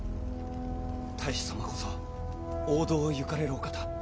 太守様こそ王道を行かれるお方。